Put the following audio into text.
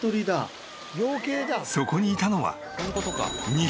そこにいたのは。